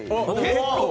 結構。